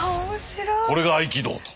これが合気道と。